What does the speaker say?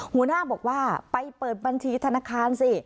หัวหน้าบอกว่าไปเปิดบัญชีธนาคารสิ